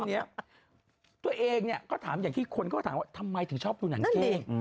ตอนเนี่ยตัวเองก็ถามกี้มคมก็ถามว่าทำไมคืชอบดูหนันเก้ง